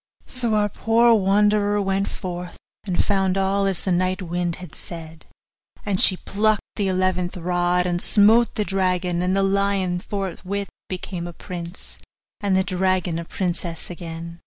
So our poor wanderer went forth, and found all as the night wind had said; and she plucked the eleventh rod, and smote the dragon, and the lion forthwith became a prince, and the dragon a princess again.